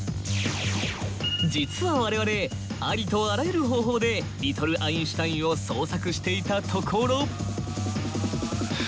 実は我々ありとあらゆる方法でリトル・アインシュタインを捜索していたところ。